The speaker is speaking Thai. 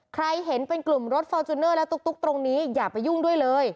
ใครเห็นเป็นกลุ่มรถฟอร์จูเนอร์และตุ๊กตรงนี้อย่าไปยุ่งด้วยเลย